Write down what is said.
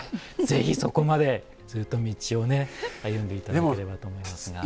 ぜひそこまでずっと道を歩んで頂ければと思いますが。